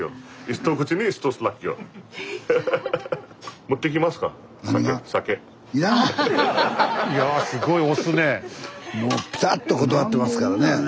スタジオもうピタッと断ってますからね。